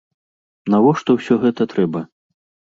Навошта ўсё гэта трэба?